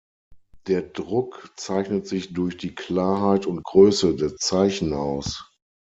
Der Druck zeichnet sich durch die Klarheit und Größe der Zeichen aus.